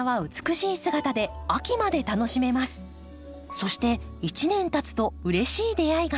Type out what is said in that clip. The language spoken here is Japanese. そして１年たつとうれしい出会いが。